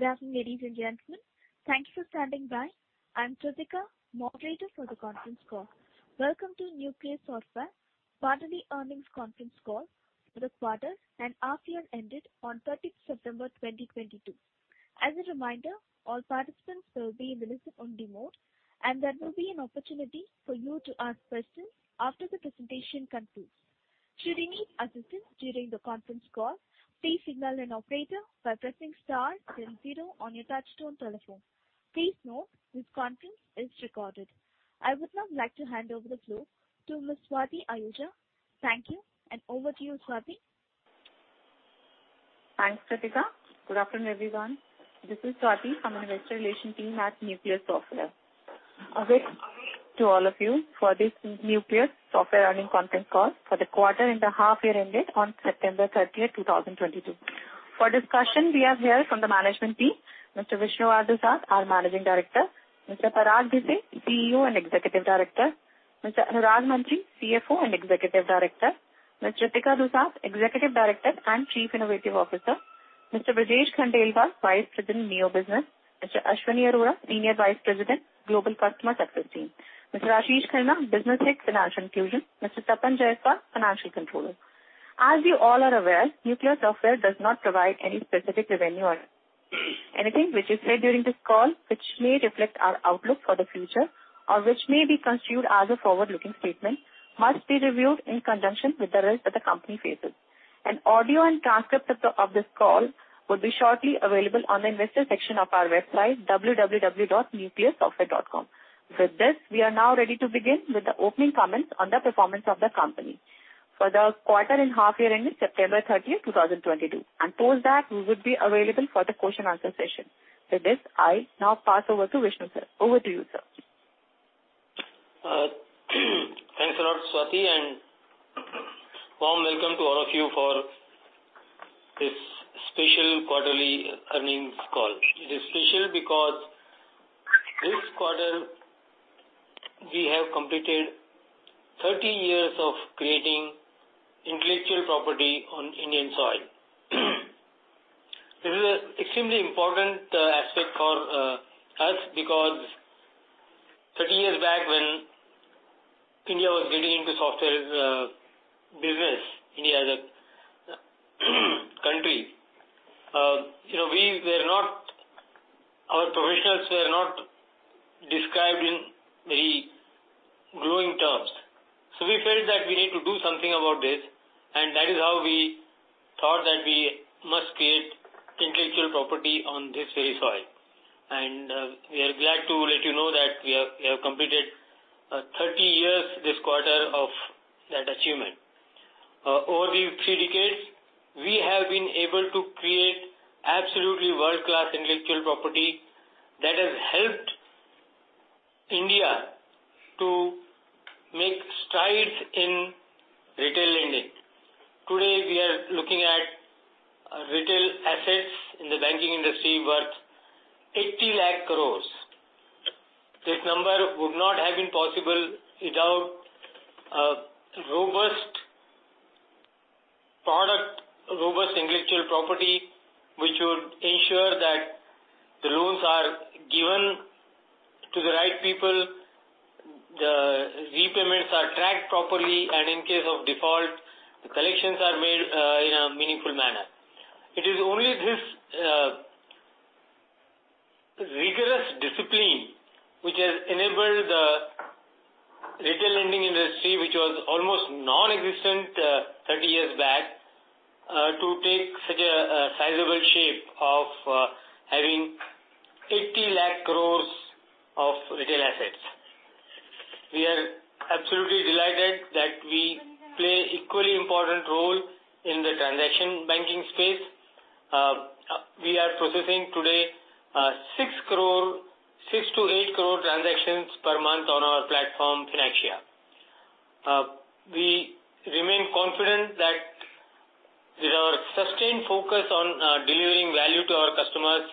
Good afternoon, ladies and gentlemen. Thank you for standing by. I'm Chatika, moderator for the conference call. Welcome to Nucleus Software quarterly earnings conference call for the quarter and half year ended on 30 September 2022. As a reminder, all participants will be in the listen only mode, and there will be an opportunity for you to ask questions after the presentation concludes. Should you need assistance during the conference call, please signal an operator by pressing star then zero on your touchtone telephone. Please note this conference is recorded. I would now like to hand over the floor to Ms. Swati Ahuja. Thank you and over to you, Swati. Thanks, Chatika. Good afternoon, everyone. This is Swati from Investor Relations team at Nucleus Software. Welcome to all of you for this Nucleus Software earnings conference call for the quarter and the half year ended on September 30, 2022. For discussion, we have here from the management team, Mr. Vishnu R. Dusad, our Managing Director. Mr. Parag Bhise, CEO and Executive Director. Mr. Anurag Mantri, CFO and Executive Director. Ms. Ritika Dusad, Executive Director and Chief Innovative Officer. Mr. Brajesh Khandelwal, Vice President, Neo Business. Mr. Ashwani Arora, Senior Vice President, Global Customer Success Team. Mr. Ashish Khanna, Business Head, Financial Inclusion. Mr. Tapan Jayaswal, Financial Controller. As you all are aware, Nucleus Software does not provide any specific revenue guidance. Anything which is said during this call which may reflect our outlook for the future or which may be construed as a forward-looking statement must be reviewed in conjunction with the risk that the company faces. An audio and transcript of this call will be shortly available on the investor section of our website, www.nucleussoftware.com. With this, we are now ready to begin with the opening comments on the performance of the company for the quarter and half year ending September 30, 2022. Post that, we would be available for the question answer session. With this, I now pass over to Vishnu, sir. Over to you, sir. Thanks a lot, Swati, and warm welcome to all of you for this special quarterly earnings call. It is special because this quarter we have completed 30 years of creating intellectual property on Indian soil. This is extremely important aspect for us because 30 years back when India was getting into software business. India as a country. You know, our professionals were not described in very glowing terms. So we felt that we need to do something about this, and that is how we thought that we must create intellectual property on this very soil. We are glad to let you know that we have completed 30 years this quarter of that achievement. Over these 3 decades, we have been able to create absolutely world-class intellectual property that has helped India to make strides in retail lending. Today, we are looking at retail assets in the banking industry worth 80 lakh crores. This number would not have been possible without a robust product, robust intellectual property, which would ensure that the loans are given to the right people, the repayments are tracked properly, and in case of default, the collections are made in a meaningful manner. It is only this rigorous discipline which has enabled the retail lending industry, which was almost non-existent thirty years back, to take such a sizable shape of having 80 lakh crores of retail assets. We are absolutely delighted that we play equally important role in the transaction banking space. We are processing today, 6-8 crore transactions per month on our platform FinnAxia. We remain confident that with our sustained focus on delivering value to our customers,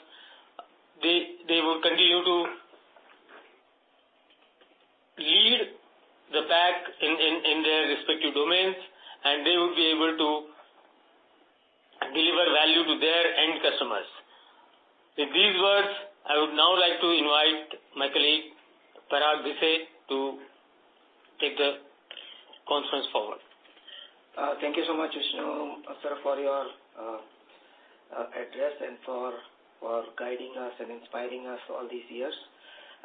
they will continue to lead the pack in their respective domains, and they will be able to deliver value to their end customers. With these words, I would now like to invite my colleague, Parag Bhise, to take the conference forward. Thank you so much, Vishnu, sir, for your address and for guiding us and inspiring us all these years.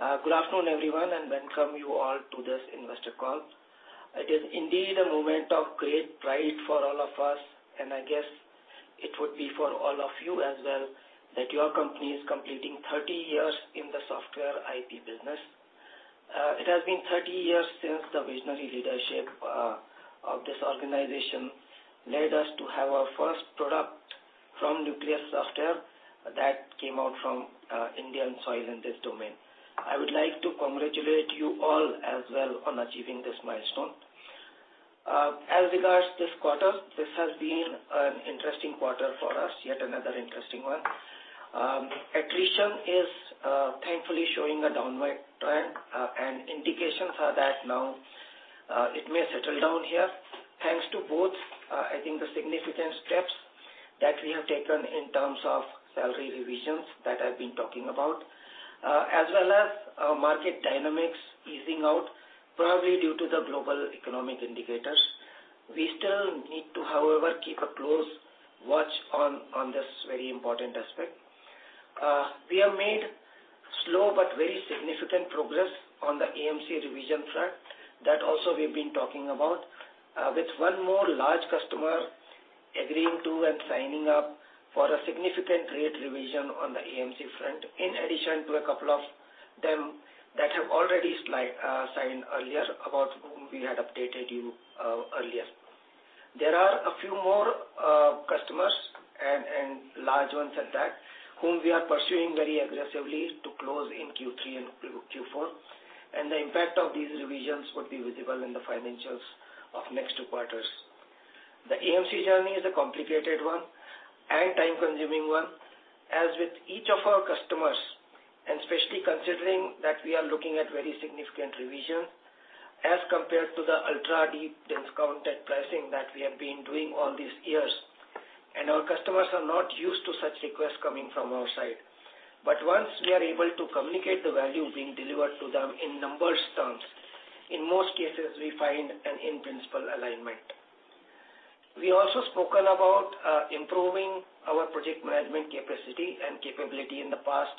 Good afternoon, everyone, and welcome you all to this investor call. It is indeed a moment of great pride for all of us, and I guess it would be for all of you as well that your company is completing 30 years in the software IT business. It has been 30 years since the visionary leadership of this organization led us to have our first product from Nucleus Software that came out from Indian soil in this domain. I would like to congratulate you all as well on achieving this milestone. As regards this quarter, this has been an interesting quarter for us, yet another interesting one. Attrition is, thankfully showing a downward trend, and indications are that now it may settle down here. Thanks to both, I think the significant steps that we have taken in terms of salary revisions that I've been talking about, as well as, market dynamics easing out probably due to the global economic indicators. We still need to, however, keep a close watch on this very important aspect. We have made slow but very significant progress on the AMC revision front. That also we've been talking about, with one more large customer agreeing to and signing up for a significant rate revision on the AMC front, in addition to a couple of them that have already signed earlier, about whom we had updated you, earlier. There are a few more customers and large ones at that, whom we are pursuing very aggressively to close in Q3 and Q4. The impact of these revisions would be visible in the financials of next 2 quarters. The AMC journey is a complicated one and time-consuming one, as with each of our customers, and especially considering that we are looking at very significant revision as compared to the ultra-deep discounted pricing that we have been doing all these years. Our customers are not used to such requests coming from our side. Once we are able to communicate the value being delivered to them in numbers terms, in most cases we find an in-principle alignment. We also spoke about improving our project management capacity and capability in the past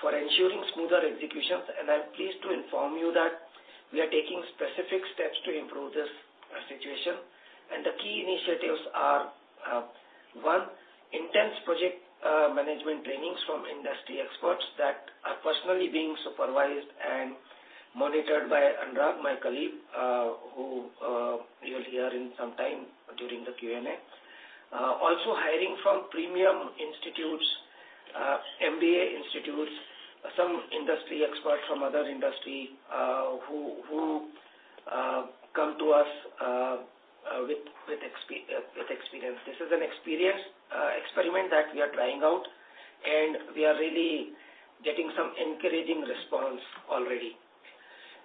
for ensuring smoother executions, and I'm pleased to inform you that we are taking specific steps to improve this situation. The key initiatives are one, intense project management trainings from industry experts that are personally being supervised and monitored by Anurag, my colleague, who you'll hear in some time during the Q&A. Also hiring from premium institutes, MBA institutes, some industry experts from other industry, who come to us with experience. This is an experiential experiment that we are trying out, and we are really getting some encouraging response already.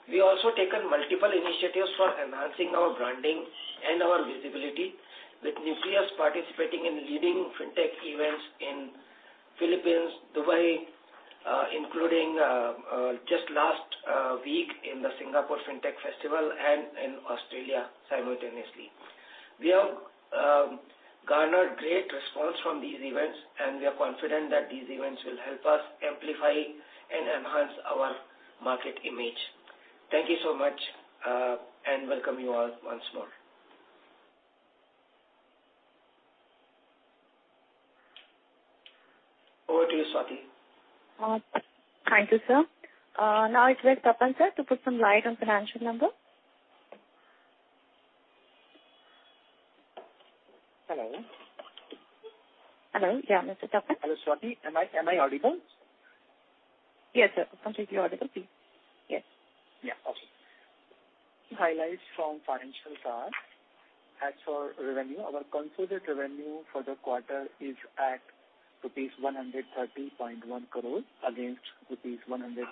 We also taken multiple initiatives for enhancing our branding and our visibility, with Nucleus participating in leading FinTech events in Philippines, Dubai, including, just last week in the Singapore FinTech Festival and in Australia simultaneously. We have garnered great response from these events, and we are confident that these events will help us amplify and enhance our market image. Thank you so much, and welcome you all once more. Over to you, Swati. Thank you, sir. Now it's with Tapan, sir, to put some light on financial number. Hello. Hello. Yeah, Mr. Tapan. Hello, Swati. Am I audible? Yes, sir. Completely audible. Please. Yes. Yeah. Okay. Highlights from financials are. As for revenue, our consolidated revenue for the quarter is at rupees 130.1 crores against rupees 128.8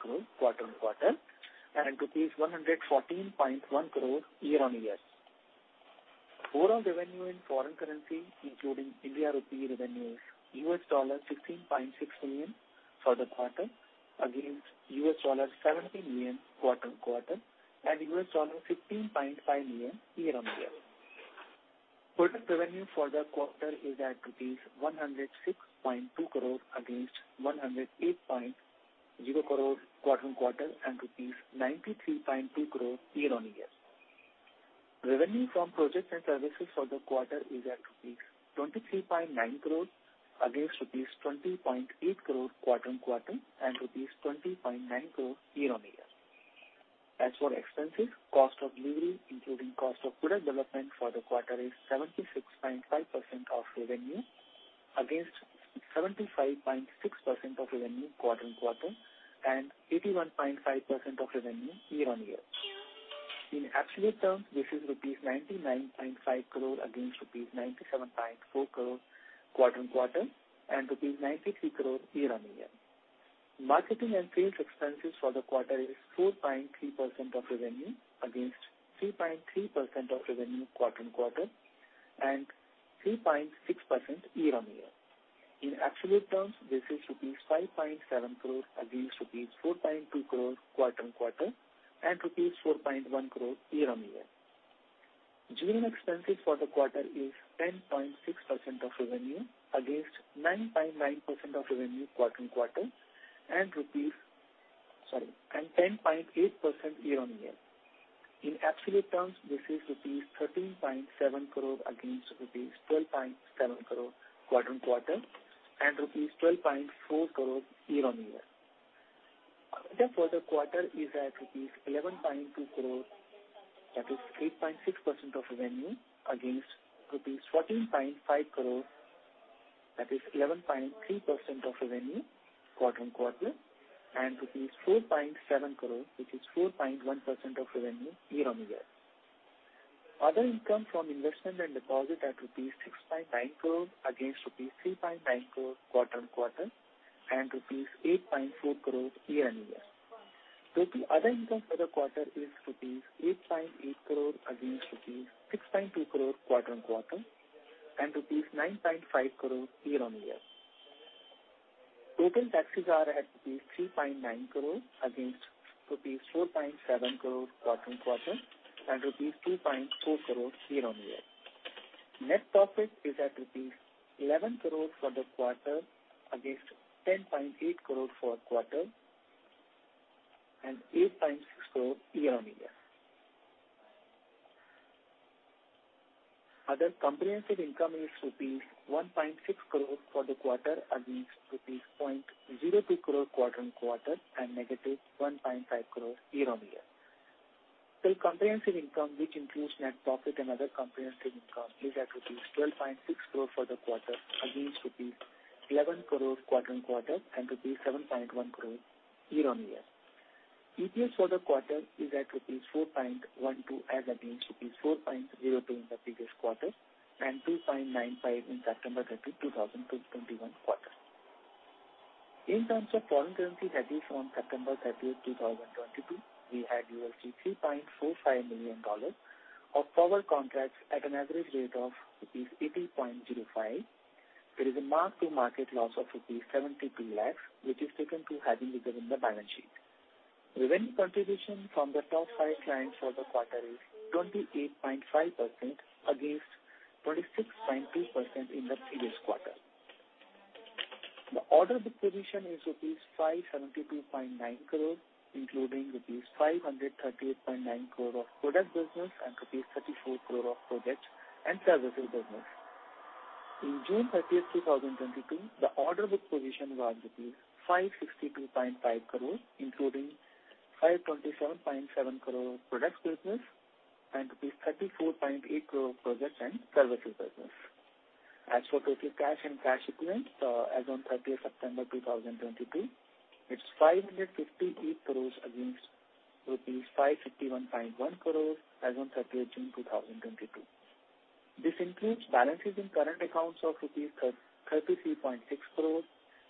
crores quarter-over-quarter, and rupees 114.1 crores year-over-year. Overall revenue in foreign currency, including India rupee revenues, $16.6 million for the quarter against $17 million quarter-over-quarter and $15.5 million year-over-year. Product revenue for the quarter is at rupees 106.2 crores against 108.0 crores quarter-over-quarter and rupees 93.2 crores year-over-year. Revenue from projects and services for the quarter is at rupees 23.9 crores against rupees 20.8 crores quarter-over-quarter and INR 20.9 crores year-over-year. As for expenses, cost of delivery, including cost of product development for the quarter, is 76.5% of revenue against 75.6% of revenue quarter-on-quarter and 81.5% of revenue year-on-year. In absolute terms, this is rupees 99.5 crores against rupees 97.4 crores quarter-on-quarter and rupees 93 crores year-on-year. Marketing and sales expenses for the quarter is 4.3% of revenue against 3.3% of revenue quarter-on-quarter and 3.6% year-on-year. In absolute terms, this is rupees 5.7 crores against rupees 4.2 crores quarter-on-quarter and rupees 4.1 crores year-on-year. General expenses for the quarter is 10.6% of revenue against 9.9% of revenue quarter-on-quarter and 10.8% year-on-year. In absolute terms, this is rupees 13.7 crores against rupees 12.7 crores quarter-on-quarter and rupees 12.4 crores year-on-year. Profit for the quarter is at rupees 11.2 crores, that is 3.6% of revenue against rupees 14.5 crores, that is 11.3% of revenue quarter-on-quarter, and rupees 4.7 crores, which is 4.1% of revenue year-on-year. Other income from investment and deposit at rupees 6.9 crore against rupees 3.9 crore quarter-on-quarter and rupees 8.4 crore year-on-year. Other income for the quarter is rupees 8.8 crore against rupees 6.2 crore quarter-on-quarter and rupees 9.5 crore year-on-year. Total taxes are at rupees 3.9 crore against rupees 4.7 crore quarter-on-quarter and rupees 2.4 crore year-on-year. Net profit is at rupees 11 crore for the quarter against 10.8 crore for a quarter and 8.6 crore year-on-year. Other comprehensive income is rupees 1.6 crore for the quarter against rupees 0.02 crore quarter-on-quarter and negative 1.5 crore year-on-year. Comprehensive income, which includes net profit and other comprehensive income, is at rupees 12.6 crore for the quarter against rupees 11 crore quarter-on-quarter and rupees 7.1 crore year-on-year. EPS for the quarter is at rupees 4.12 as against rupees 4.02 in the previous quarter and 2.95 in September 30, 2021 quarter. In terms of foreign currency hedges from September 30, 2022, we had $3.45 million of forward contracts at an average rate of rupees 80.05. There is a mark-to-market loss of rupees 72 lakhs, which is taken to hedging within the balance sheet. Revenue contribution from the top 5 clients for the quarter is 28.5% against 26.2% in the previous quarter. The order book position is rupees 572.9 crore, including rupees 538.9 crore of product business and rupees 34 crore of projects and services business. In June 30, 2022, the order book position was rupees 562.5 crore, including 527.7 crore product business and rupees 34.8 crore projects and services business. As for total cash and cash equivalents, as on 30 September 2022, it's 558 crore against rupees 551.1 crore as on 30 June 2022. This includes balances in current accounts of rupees 33.6 crore,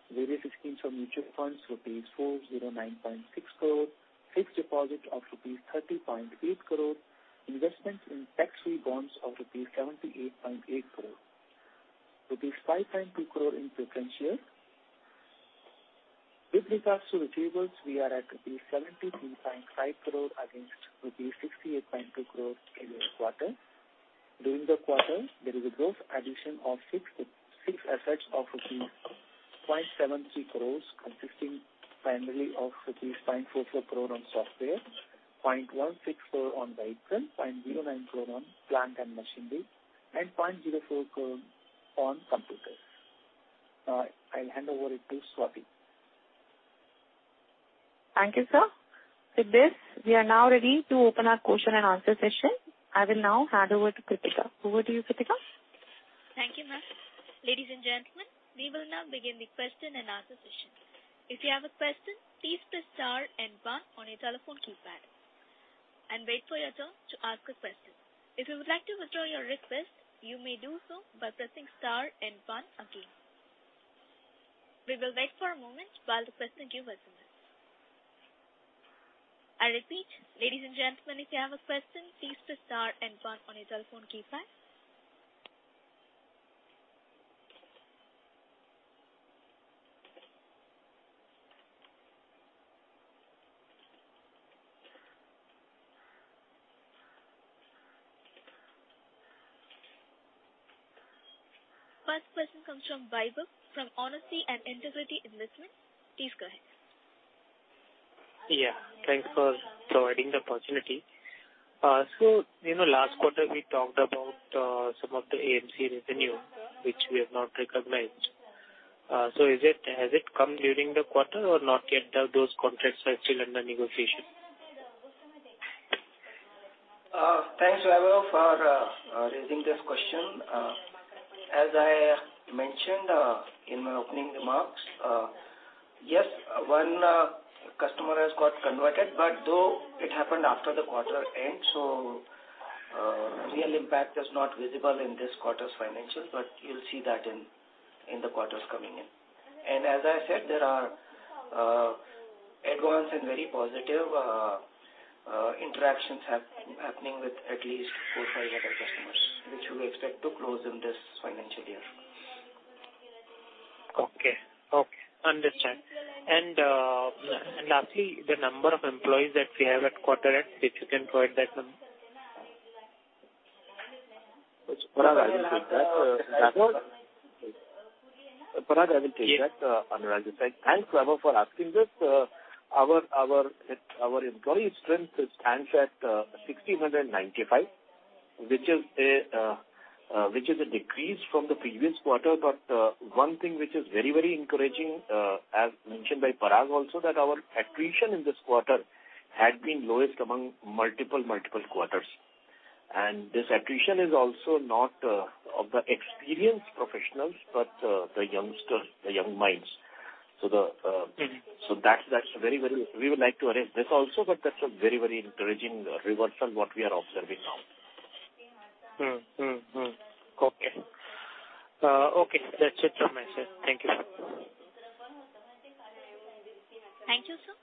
various schemes of mutual funds, rupees 409.6 crore, fixed deposits of rupees 30.8 crore, investments in tax-free bonds of rupees 78.8 crore, rupees 5.2 crore in preferential. With regards to receivables, we are at rupees 73.5 crore against rupees 68.2 crore in this quarter. During the quarter, there is a gross addition of 66 assets of rupees 0.73 crores, consisting primarily of rupees 0.44 crore on software, 0.164 crore on vehicles, 0.09 crore on plant and machinery, and 0.04 crore on computers. Now I'll hand over to Swati. Thank you, sir. With this, we are now ready to open our Q&A session. I will now hand over to Ritika. Over to you, Ritika. Thank you, ma'am. Ladies and gentlemen, we will now begin the Q&A session. If you have a question, please press star and one on your telephone keypad and wait for your turn to ask a question. If you would like to withdraw your request, you may do so by pressing star and one again. We will wait for a moment while the question queue builds. I repeat, ladies and gentlemen, if you have a question, please press star and one on your telephone keypad. First question comes from Vaibhav from Honesty and Integrity Investment. Please go ahead. Yeah. Thanks for providing the opportunity. You know, last quarter we talked about some of the AMC revenue which we have not recognized. Is it? Has it come during the quarter or not yet? Are those contracts still under negotiation? Thanks, Vaibhav, for raising this question. As I mentioned in my opening remarks, yes, 1 customer has got converted, but though it happened after the quarter end, so real impact is not visible in this quarter's financials, but you'll see that in the quarters coming in. As I said, there are advanced and very positive interactions happening with at least 4-5 other customers, which we expect to close in this financial year. Lastly, the number of employees that we have at quarter end, if you can provide that number. Parag will take that. Raghu? Parag will take that. Yeah. Rajat. Thanks, Vaibhav, for asking this. Our employee strength stands at 1,695, which is a decrease from the previous quarter. One thing which is very encouraging, as mentioned by Parag also, that our attrition in this quarter had been lowest among multiple quarters. This attrition is also not of the experienced professionals, but the youngsters, the young minds. Mm-hmm. We would like to raise this also, but that's a very encouraging reversal what we are observing now. Okay. Okay. That's it from my side. Thank you. Thank you, sir.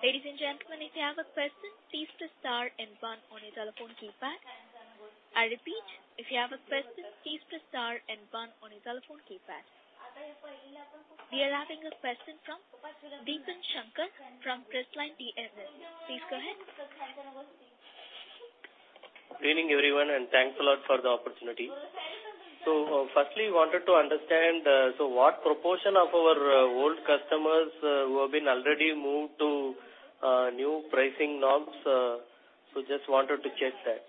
Ladies and gentlemen, if you have a question, please press star and one on your telephone keypad. I repeat, if you have a question, please press star and one on your telephone keypad. We are having a question from Deepak Shankar from Press Line TMS. Please go ahead. Good evening, everyone, and thanks a lot for the opportunity. Firstly, wanted to understand, so what proportion of our old customers who have been already moved to new pricing norms, so just wanted to check that.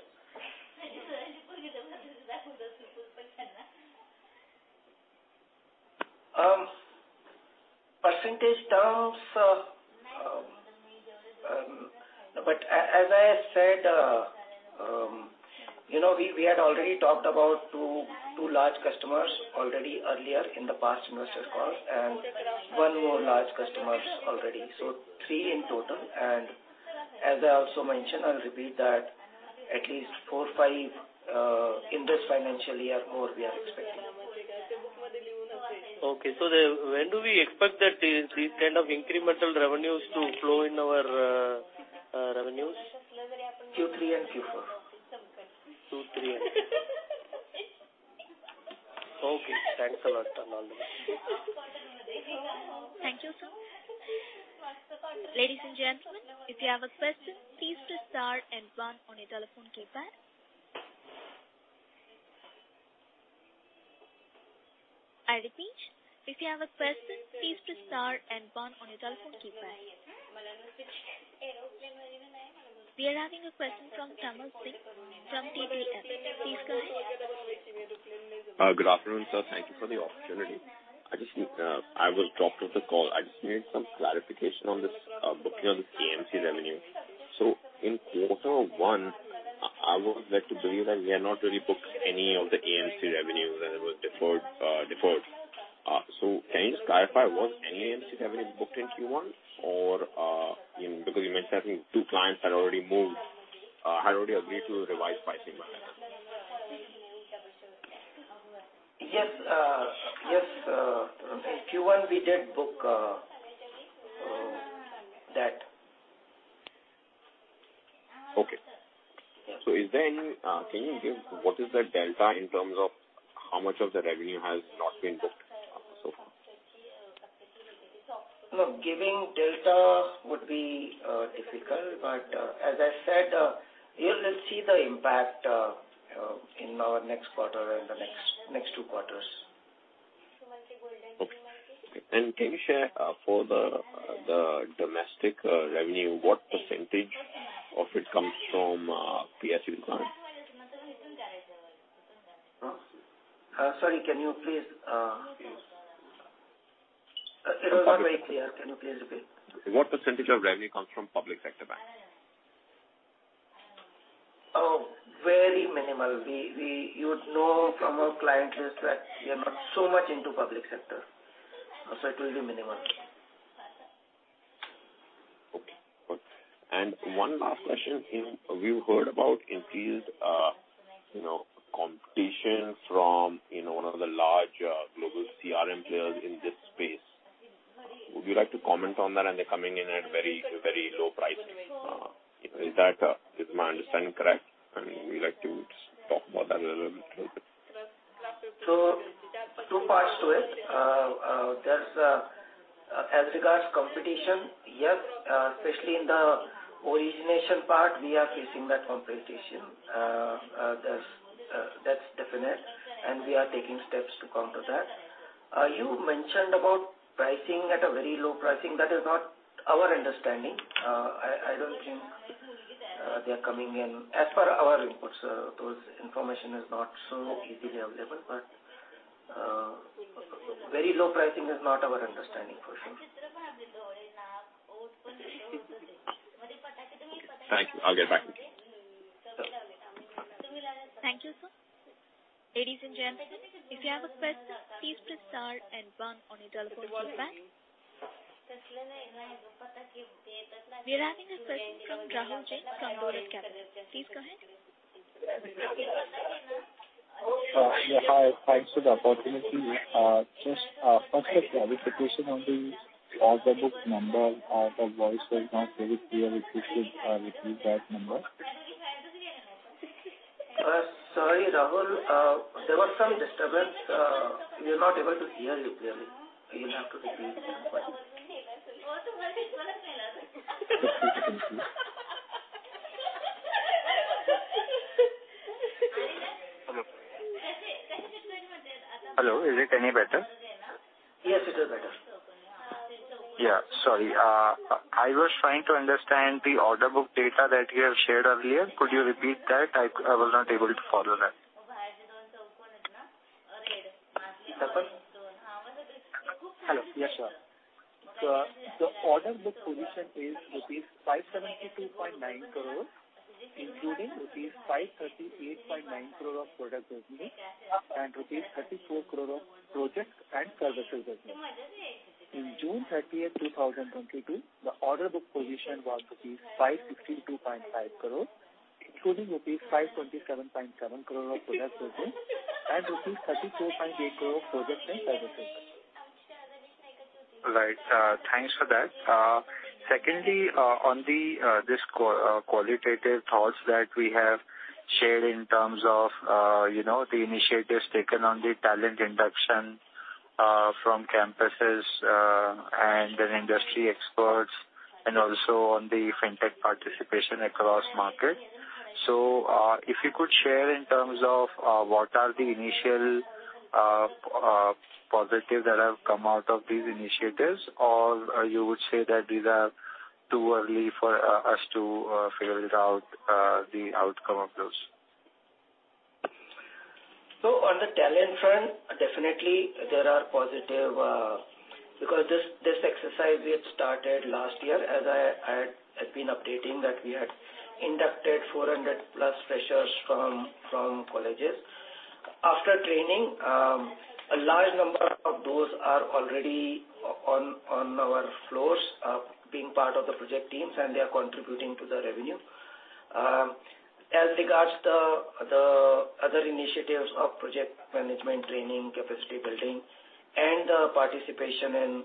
Percentage terms, as I said, you know, we had already talked about 2 large customers already earlier in the past investor calls and one more large customers already. 3 in total. As I also mentioned, I'll repeat that at least 4-5 in this financial year more we are expecting. Okay. When do we expect that these kind of incremental revenues to flow in our revenues? Q3 and Q4. Q3 and Q4. Okay, thanks a lot. Have a lovely day. Thank you, sir. Ladies and gentlemen, if you have a question, please press star and one on your telephone keypad. I repeat, if you have a question, please press star and one on your telephone keypad. We are having a question from Tamil Singh from TBS. Please go ahead. Good afternoon, sir. Thank you for the opportunity. I just, I was dropped off the call. I just need some clarification on this, booking of this AMC revenue. In quarter one, I would like to believe that we have not really booked any of the AMC revenue that was deferred. Can you clarify, was any AMC revenue booked in Q1 or, in, because you mentioned I think 2 clients had already moved, had already agreed to revise pricing model? Yes, in Q1 we did book that. Okay. Is there any, can you give what is the delta in terms of how much of the revenue has not been booked so far? Look, giving delta would be difficult, but as I said, you will see the impact in our next quarter and the next 2 quarters. Okay. Can you share, for the domestic revenue, what percentage of it comes from PSU clients? Sorry. It was not very clear. Can you please repeat? What percentage of revenue comes from public sector banks? Oh, very minimal. You would know from our client list that we are not so much into public sector. It will be minimal. Okay. One last question. Have you heard about increased, you know, competition from, you know, one of the large global CRM players in this space? Would you like to comment on that and they're coming in at very, very low price? Is that my understanding correct? Would you like to talk more about that a little bit? 2 parts to it. There's as regards competition, yes, especially in the origination part we are facing that competition. You mentioned about pricing at a very low pricing. That is not our understanding. I don't think they're coming in. As per our inputs, those information is not so easily available, but very low pricing is not our understanding for sure. Thank you. I'll get back. Thank you, sir. Ladies and gentlemen, if you have a question, please press star and one on your telephone keypad. We are having a question from Rahul Jain from Dolat Capital. Please go ahead. Yeah. Hi. Thanks for the opportunity. Just, first a clarification on the order book number. The voice was not very clear. If you could, repeat that number. Sorry, Rahul. There was some disturbance. We are not able to hear you clearly. You will have to repeat the question. Hello. Hello. Is it any better? Yes, it is better. Yeah. Sorry. I was trying to understand the order book data that you have shared earlier. Could you repeat that? I was not able to follow that. Hello. Yes, sure. The order book position is rupees 572.9 crore, including rupees 538.9 crore of product business and rupees 34 crore of projects and services business. In June 30, 2022, the order book position was rupees 562.5 crore, including rupees 527.7 crore of product business and rupees 34.8 crore of projects and services business. Right. Thanks for that. Secondly, on this qualitative thoughts that we have shared in terms of, you know, the initiatives taken on the talent induction, from campuses, and then industry experts and also on the FinTech participation across markets. If you could share in terms of, what are the initial positive that have come out of these initiatives. You would say that these are too early for us to figure it out, the outcome of those. On the talent front, definitely there are positive, because this exercise we had started last year, as I had been updating that we had inducted 400+ freshers from colleges. After training, a large number of those are already on our floors, being part of the project teams, and they are contributing to the revenue. As regards to the other initiatives of project management training, capacity building and participation in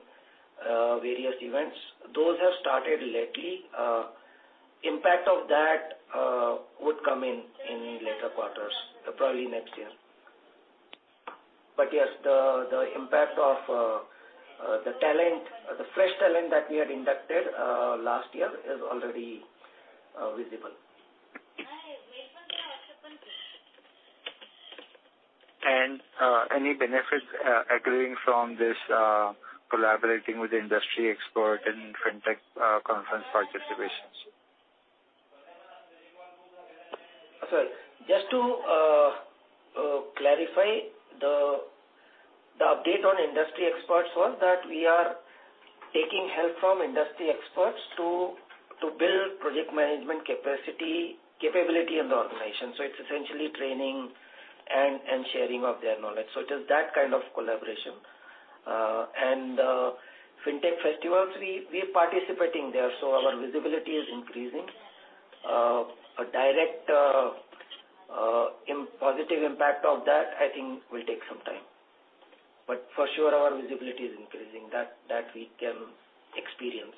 various events, those have started lately. Impact of that would come in later quarters, probably next year. Yes, the impact of the fresh talent that we had inducted last year is already visible. Any benefits accruing from this collaborating with industry expert in FinTech conference participations? Sorry. Just to clarify the update on industry experts was that we are taking help from industry experts to build project management capacity, capability in the organization. It's essentially training and sharing of their knowledge. It is that kind of collaboration. FinTech festivals, we are participating there, so our visibility is increasing. A direct immediate positive impact of that I think will take some time. For sure our visibility is increasing. That we can experience.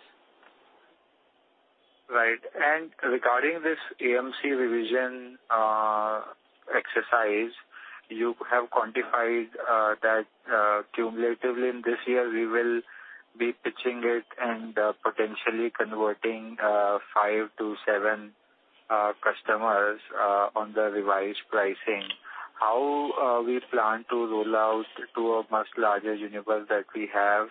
Right. Regarding this AMC revision exercise, you have quantified that cumulatively in this year we will be pitching it and potentially converting 5-7 customers on the revised pricing. How we plan to roll out to a much larger universe that we have?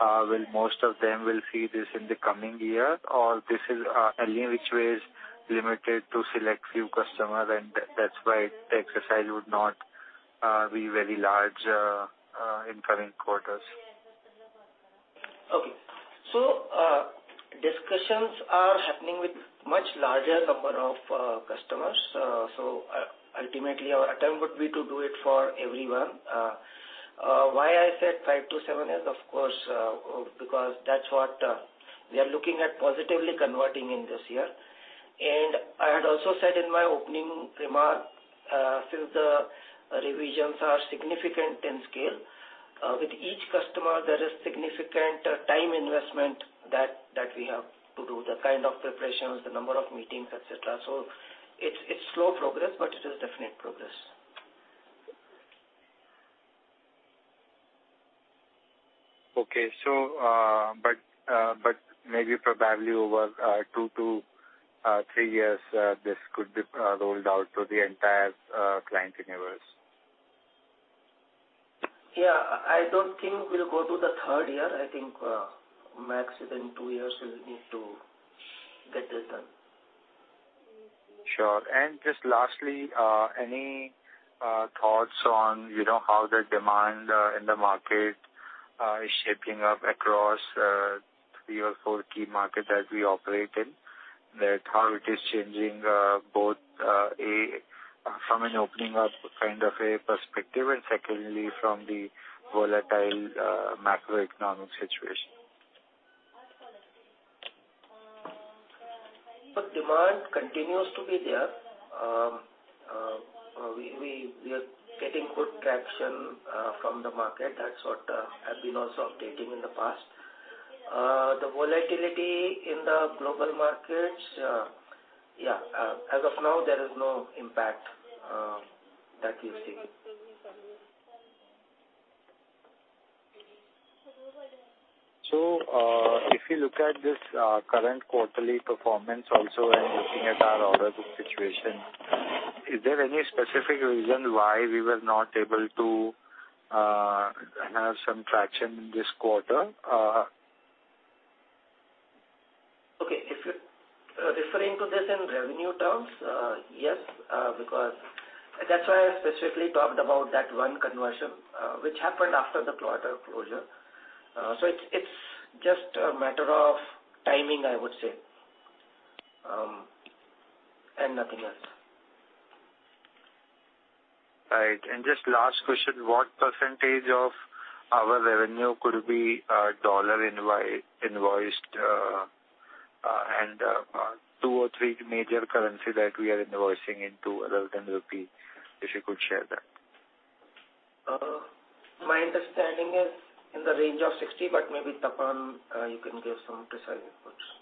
Will most of them see this in the coming year or this is in which way limited to select few customers and that's why the exercise would not be very large in coming quarters? Okay. Discussions are happening with much larger number of customers. Ultimately our attempt would be to do it for everyone. Why I said 5-7 is of course, because that's what we are looking at positively converting in this year. I had also said in my opening remark, since the revisions are significant in scale, with each customer there is significant time investment that we have to do the kind of preparations, the number of meetings, et cetera. It's slow progress, but it is definite progress. Okay. Maybe probably over 2-3 years, this could be rolled out to the entire client universe. Yeah. I don't think we'll go to the third year. I think, max within 2 years we'll need to get this done. Sure. Just lastly, any thoughts on, you know, how the demand in the market is shaping up across 3 or 4 key markets that we operate in? That how it is changing, both, A, from an opening up kind of a perspective and secondly from the volatile, macroeconomic situation. The demand continues to be there. We are getting good traction from the market. That's what I've been also updating in the past. The volatility in the global markets, yeah, as of now there is no impact that we see. If you look at this current quarterly performance also and looking at our order book situation, is there any specific reason why we were not able to have some traction this quarter? Okay. If you're referring to this in revenue terms, yes, because that's why I specifically talked about that one conversion, which happened after the quarter closure. It's just a matter of timing, I would say, and nothing else. Right. Just last question, what percentage of our revenue could be dollar invoiced, and 2 or 3 major currency that we are invoicing into other than rupee, if you could share that. My understanding is in the range of 60, but maybe Tapan, you can give some precise inputs.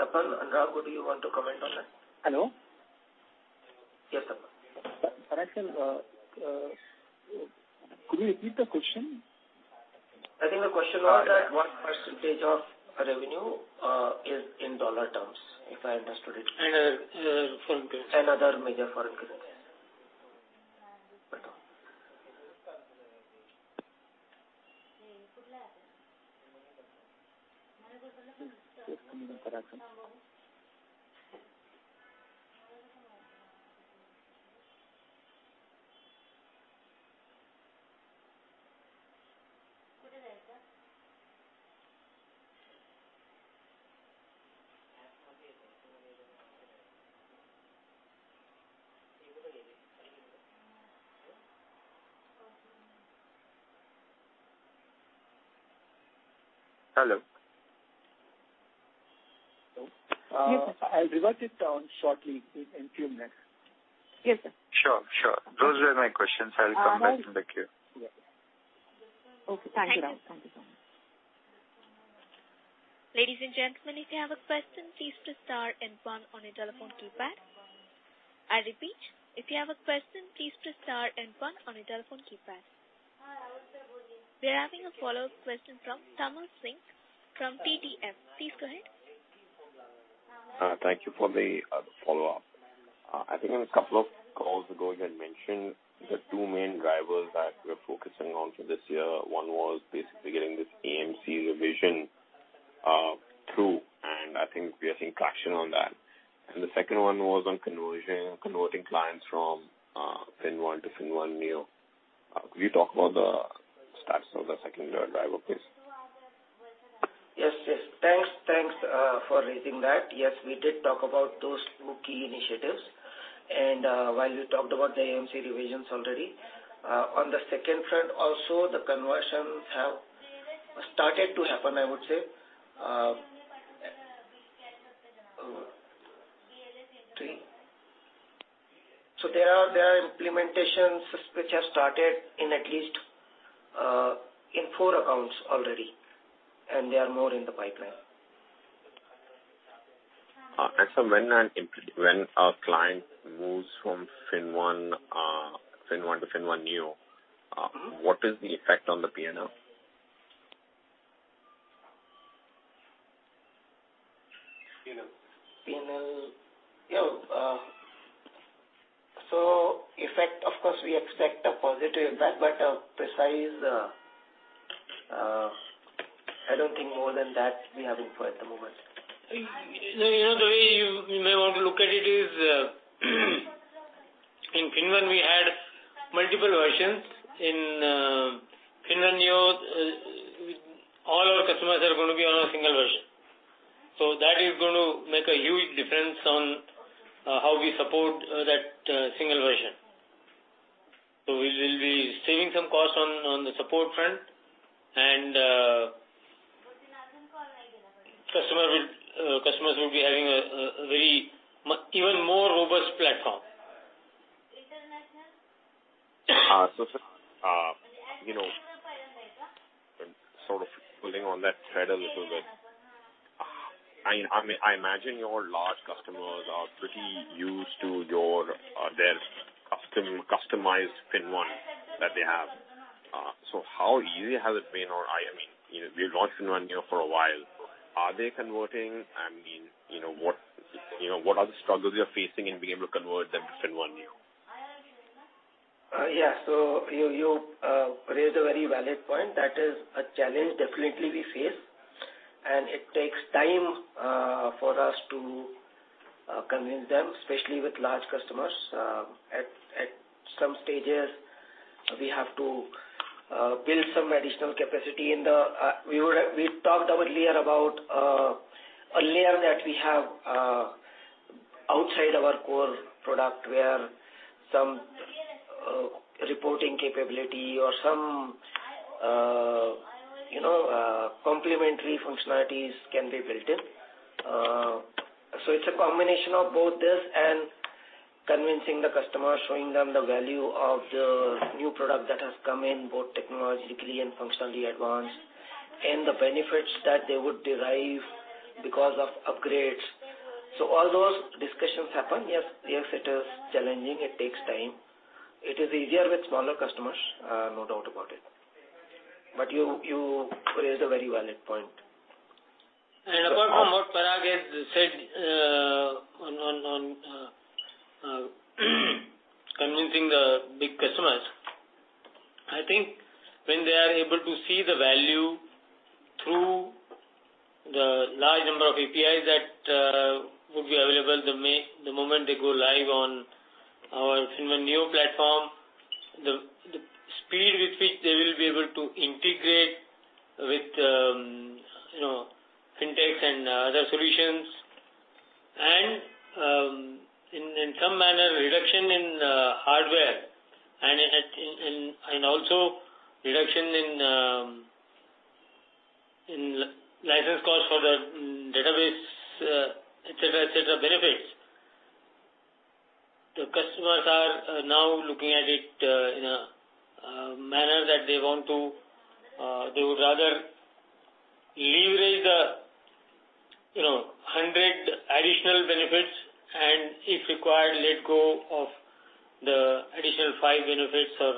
Tapan and Raghu, do you want to comment on that? Hello. Yes, Tapan. Parag, could you repeat the question? I think the question was that what percentage of our revenue is in dollar terms, if I understood it. Yeah. Same thing. Other major foreign currencies. Hello. I'll revert it shortly in few minutes. Yes, sir. Sure. Those were my questions. I'll come back in the queue. Okay. Thank you, Raghu. Thank you so much. Ladies and gentlemen, if you have a question, please press star and one on your telephone keypad. I repeat, if you have a question, please press star and one on your telephone keypad. We are having a follow-up question from Tamil Singh from TBS. Please go ahead. Thank you for the follow-up. I think in a couple of calls ago you had mentioned the 2 main drivers that we're focusing on for this year. One was basically getting this AMC revision through, and I think we are seeing traction on that. The second one was on conversion, converting clients from FinnOne to FinnOne Neo. Could you talk about the stats of the second driver, please? Yes. Thanks for raising that. Yes, we did talk about those 2 key initiatives. While we talked about the AMC revisions already, on the second front also, the conversions have started to happen, I would say. There are implementations which have started in at least 4 accounts already, and there are more in the pipeline. When a client moves from FinnOne to FinnOne Neo. Mm-hmm. What is the effect on the P&L? P&L. Yeah. Effect, of course we expect a positive but a precise. I don't think more than that we have info at the moment. You know, the way you may want to look at it is, in FinnOne we had multiple versions. In FinnOne Neo, all our customers are gonna be on a single version. That is gonna make a huge difference on how we support that single version. We'll be saving some costs on the support front and, customers will be having a very even more robust platform. You know, sort of pulling on that thread a little bit. I imagine your large customers are pretty used to your, their customized FinnOne that they have. How easy has it been or, I mean, you know, we've launched FinnOne Neo for a while. Are they converting? I mean, you know, what are the struggles you're facing in being able to convert them to FinnOne Neo? Yeah. You raised a very valid point. That is a challenge definitely we face, and it takes time for us to convince them, especially with large customers. At some stages we have to build some additional capacity. We talked earlier about a layer that we have outside our core product where some reporting capability or some you know complementary functionalities can be built in. It's a combination of both this and convincing the customer, showing them the value of the new product that has come in, both technologically and functionally advanced, and the benefits that they would derive because of upgrades. All those discussions happen. Yes, it is challenging. It takes time. It is easier with smaller customers, no doubt about it. You raised a very valid point. Apart from what Parag has said, on convincing the big customers I think when they are able to see the value through the large number of APIs that would be available the moment they go live on our FinnOne Neo platform, the speed with which they will be able to integrate with, you know, fintech and other solutions and, in some manner, reduction in hardware and also reduction in license costs for the database, et cetera, benefits. The customers are now looking at it in a manner that they want to, they would rather leverage the, you know, 100 additional benefits and if required, let go of the additional 5 benefits or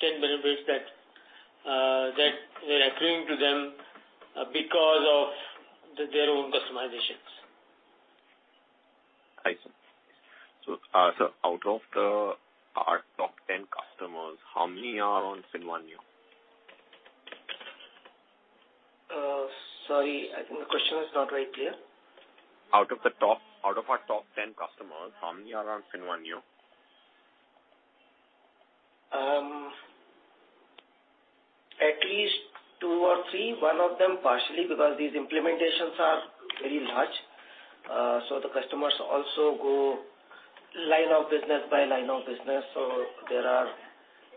10 benefits that that were accruing to them because of their own customizations. I see. Out of our top 10 customers, how many are on FinnOne Neo? Sorry, I think the question is not very clear. Out of our top 10 customers, how many are on FinnOne Neo? At least 2 or 3. One of them partially, because these implementations are very large. The customers also go line of business by line of business. There are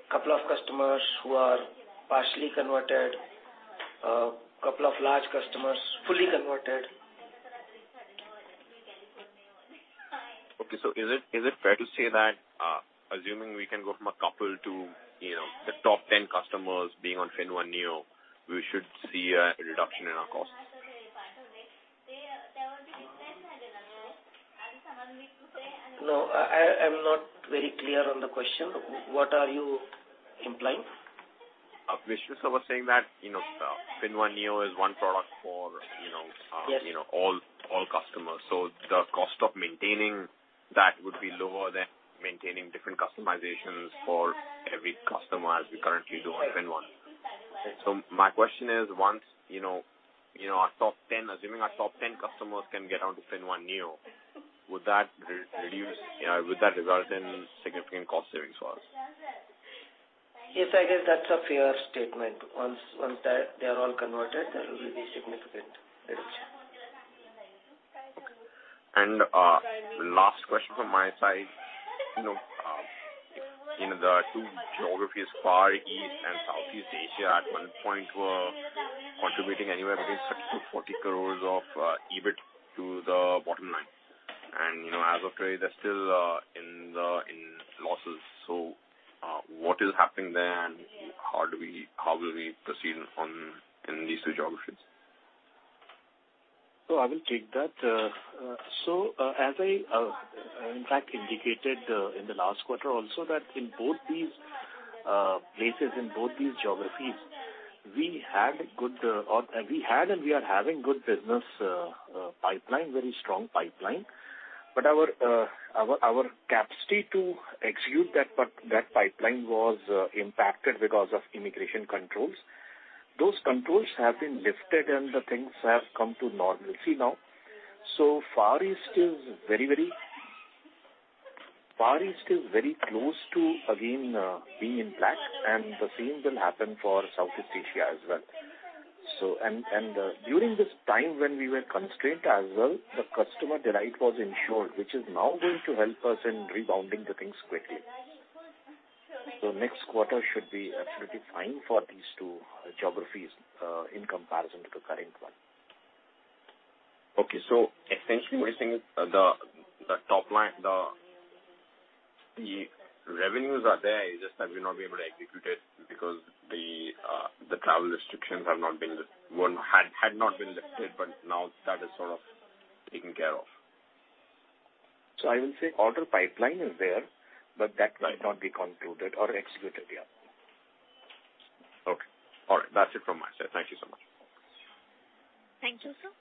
couple of customers who are partially converted, couple of large customers fully converted. Is it fair to say that, assuming we can go from a couple to, you know, the top 10 customers being on FinnOne Neo, we should see a reduction in our costs? No, I'm not very clear on the question. What are you implying? Vishnu was saying that, you know, FinnOne Neo is one product for, you know. Yes. You know, all customers. The cost of maintaining that would be lower than maintaining different customizations for every customer as we currently do on FinnOne. My question is, once you know our top 10, assuming our top 10 customers can get onto FinnOne Neo, would that reduce, you know, would that result in significant cost savings for us? Yes, I guess that's a fair statement. Once that they are all converted, there will be significant reduction. Last question from my side. You know, you know, the 2 geographies, Far East and Southeast Asia, at one point were contributing anywhere between 30 crore-40 crore of EBIT to the bottom line. You know, as of today, they're still in the in losses. What is happening there and how do we, how will we proceed on, in these 2 geographies? I will take that. As I in fact indicated in the last quarter also that in both these places, in both these geographies, we had good or we had and we are having good business pipeline, very strong pipeline. Our capacity to execute that pipeline was impacted because of immigration controls. Those controls have been lifted and the things have come to normalcy now. Far East is very close to again being in black, and the same will happen for Southeast Asia as well. During this time when we were constrained as well, the customer delight was ensured, which is now going to help us in rebounding the things quickly. Next quarter should be absolutely fine for these 2 geographies in comparison to the current one. Okay. Essentially what you're saying is the top line, the revenues are there, it's just that we're not able to execute it because the travel restrictions had not been lifted, but now that is sort of taken care of. I will say order pipeline is there, but that might not be concluded or executed yet. Okay. All right. That's it from my side. Thank you so much. Thank you, sir.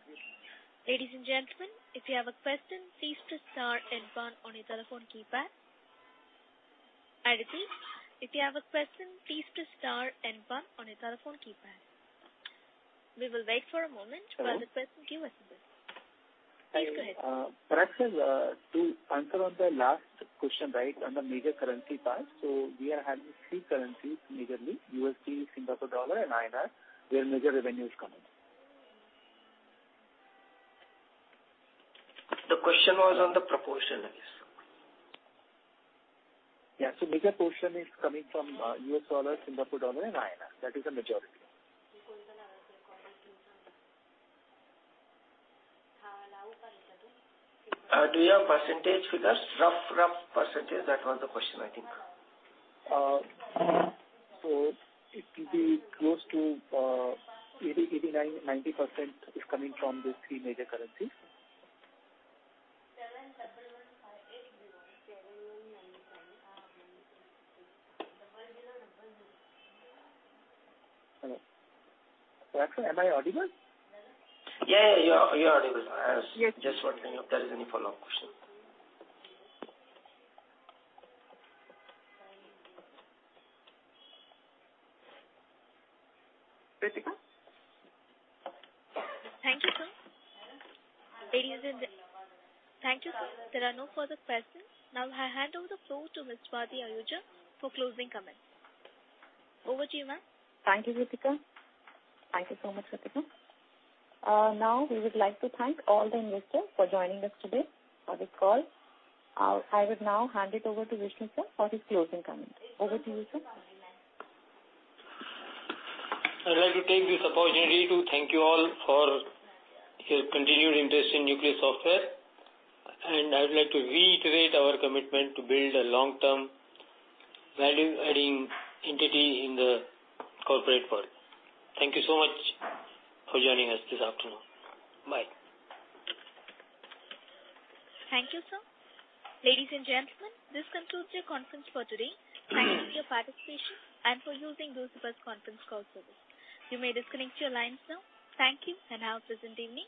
Ladies and gentlemen, if you have a question, please press star and one on your telephone keypad. I repeat, if you have a question, please press star and one on your telephone keypad. We will wait for a moment while the question queue is in place. Please go ahead. Hi. Parag Bhise, to answer on the last question, right, on the major currency part. We are having 3 currencies, majorly, USD, Singapore dollar, and INR, where major revenue is coming. The question was on the proportion, I guess. Yeah. Major portion is coming from U.S. dollar, Singapore dollar, and INR. That is the majority. Do you have percentage figures? Rough percentage? That was the question, I think. It will be close to 89%-90% is coming from these 3 major currencies. Hello. Parag Bhise, am I audible? Yeah, you're audible. I was just wondering if there is any follow-up question. Thank you, sir. There are no further questions. Now I hand over the floor to Ms. Swati Ahuja for closing comments. Over to you, ma'am. Thank you, Ritika. Thank you so much, Ritika. Now we would like to thank all the investors for joining us today for this call. I would now hand it over to Vishnu, sir, for his closing comments. Over to you, sir. I'd like to take this opportunity to thank you all for your continued interest in Nucleus Software, and I would like to reiterate our commitment to build a long-term, value-adding entity in the corporate world. Thank you so much for joining us this afternoon. Bye. Thank you, sir. Ladies and gentlemen, this concludes your conference for today. Thank you for your participation and for using Chorus Call Service. You may disconnect your lines now. Thank you, and have a pleasant evening.